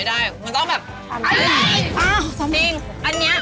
ปลากับกระเทียมค่ะปลากับกระเทียมค่ะ